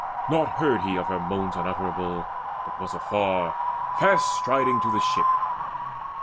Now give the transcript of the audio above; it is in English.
Naught heard he of her moans unutterable, But was afar, fast striding to the ship.